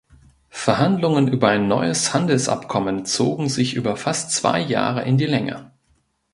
Verhandlungen über ein neues Handelsabkommen zogen sich über fast zwei Jahre in die Länge.